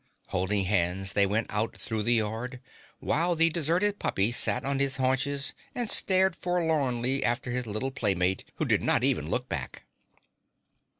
Holding hands, they went out through the yard, while the deserted puppy sat on his haunches and stared forlornly after his little playmate who did not even look back.